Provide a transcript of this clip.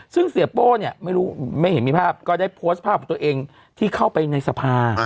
ซึ่งเสียโป้เนี่ยไม่รู้ไม่เห็นมีภาพก็ได้โพสต์ภาพของตัวเองที่เข้าไปในสภา